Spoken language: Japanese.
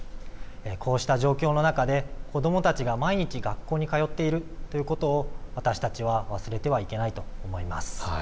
こうした状況の中で子どもたちが毎日学校に通っているということを私たちは忘れてはいけないと思います。